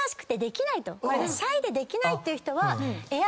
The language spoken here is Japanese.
シャイでできないっていう人は。